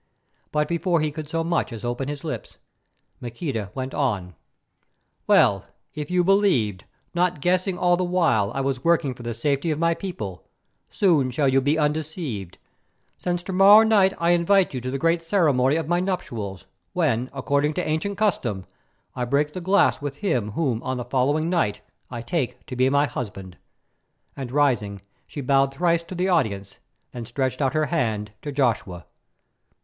But before he could so much as open his lips Maqueda went on: "Well, if you believed, not guessing all the while I was working for the safety of my people, soon shall you be undeceived, since to morrow night I invite you to the great ceremony of my nuptials, when, according to the ancient custom, I break the glass with him whom on the following night I take to be my husband," and rising, she bowed thrice to the audience, then stretched out her hand to Joshua.